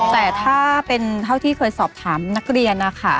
แต่ถ้าเป็นเท่าที่เคยสอบถามนักเรียนนะคะ